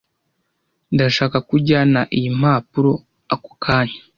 Ndashaka ko ujyana iyi mpapuro ako kanya.